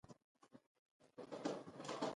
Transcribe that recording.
ښه سلوک وکړي.